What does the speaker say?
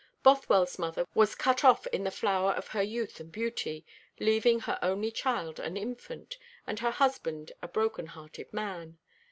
Bothwell's mother was cut off in the flower of her youth and beauty, leaving her only child an infant, and her husband a broken hearted man.